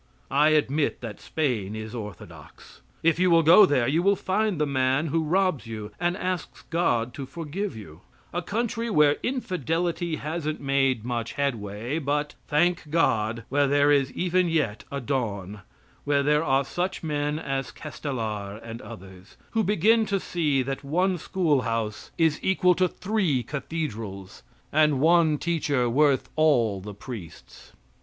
I admit that Spain is orthodox. If you will go there you will find the man who robs you and asks God to forgive you a country where infidelity hasn't made much headway, but, thank God, where there is even yet a dawn, where there are such men as Castelar and others, who begin to see that one schoolhouse is equal to three cathedrals and one teacher worth all the priests.